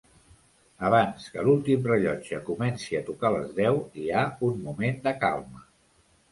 Abans que l'últim rellotge comenci a tocar les deu, hi ha un moment de calma.